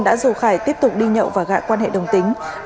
đã rủ khải tiếp tục đi nhậu và gãi quan hệ đồng tính